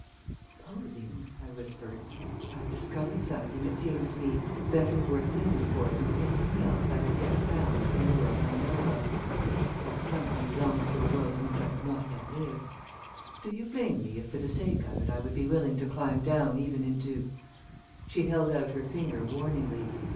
"Supposing," I whispered, "I have discovered something that seems to me better worth living for than anything else I have yet found in the world I know of if that something belongs to a world in which I have not yet lived do you blame me if for the sake of it I would be willing to climb down even into " She held out her finger warningly.